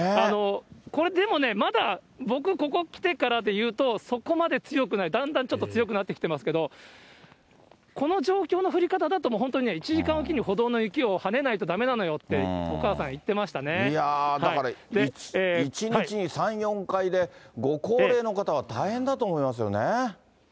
これ、でもね、まだ、僕、ここ来てからで言うと、そこまで強くない、だんだんちょっと強くなってきてますけど、この状況の降り方だと、本当に１時間おきに歩道の雪をはねないとだめなのよって、お母さ１日に３、４回で、ご高齢の方は大変だと思いますよね。